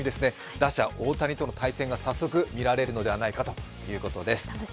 打者・大谷との対戦が早速見られるのではないかとのことです。